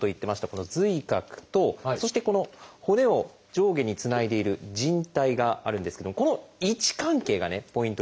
この髄核とそしてこの骨を上下につないでいる靭帯があるんですけどもこの位置関係がねポイントになります。